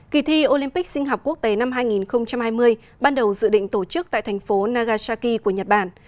kỳ thi olympic sinh học quốc tế năm hai nghìn hai mươi ban đầu dự định tổ chức tại thành phố nagasaki của nhật bản